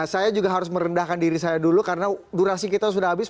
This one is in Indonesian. saya juga harus merendahkan diri saya dulu karena durasi kita sudah habis